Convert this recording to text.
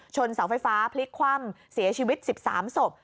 เสาไฟฟ้าพลิกคว่ำเสียชีวิต๑๓ศพ